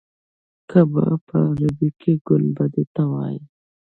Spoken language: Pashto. قبه په عربي کې ګنبدې ته وایي.